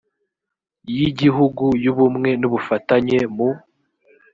y igihugu y ubumwe n ubufatanye mu